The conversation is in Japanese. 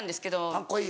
カッコいい。